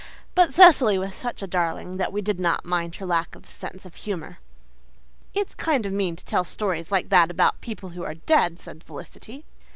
But Cecily was such a darling that we did not mind her lack of a sense of humour. "It's kind of mean to tell stories like that about people who are dead," said Felicity.